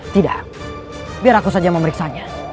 tidak biar aku saja memeriksanya